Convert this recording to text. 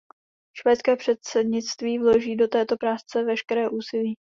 Švédské předsednictví vloží do této práce veškeré úsilí.